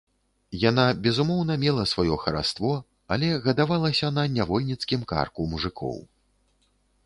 Яна, безумоўна, мела сваё хараство, але гадавалася на нявольніцкім карку мужыкоў.